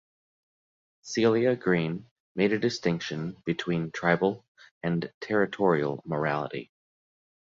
Celia Green made a distinction between tribal and territorial morality.